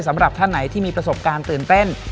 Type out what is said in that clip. สำหรับท่านไหนที่มีประสบการณ์ตื่นเต้น